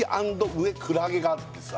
上クラゲがあってさ